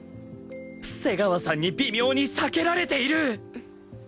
瀬川さんに微妙に避けられている！